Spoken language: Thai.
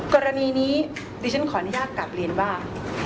กรณีนี้ดิฉันขออนุญาตกลับเรียนว่า